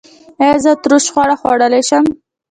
ایا زه ترش خواړه خوړلی شم؟